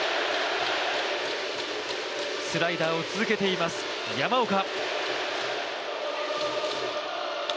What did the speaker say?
スライダーを続けています、山岡。